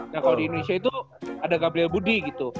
nah kalo di indonesia itu ada gabriel budi gitu